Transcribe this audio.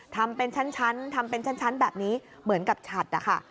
ทำเป็นชั้นแบบนี้เหมือนกับฉันต์นะค่ะ